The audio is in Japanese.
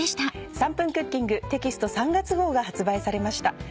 『３分クッキング』テキスト３月号が発売されました。